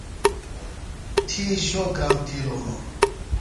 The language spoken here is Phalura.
تھی شو کرام تھِیلوۡ ہِنوۡ۔